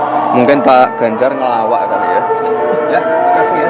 hai mungkin tak ganjar ngelawa kali ya ya kasih ya